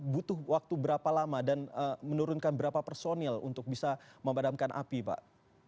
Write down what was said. butuh waktu berapa lama dan menurunkan berapa personil untuk bisa memadamkan api pak